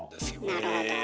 なるほど。